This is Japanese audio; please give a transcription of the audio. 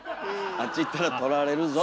あっち行ったら取られるぞと。